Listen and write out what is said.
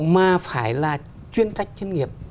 mà phải là chuyên trách chuyên nghiệp